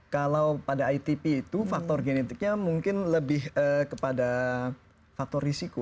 kalau pada itp itu faktor genetiknya mungkin lebih kepada faktor risiko